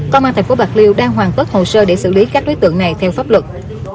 công an tp bạc liêu đang hoàn tất hồ sơ để xử lý các đối tượng này theo pháp luật